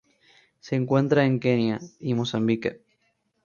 Se encuentra en Kenia y Mozambique.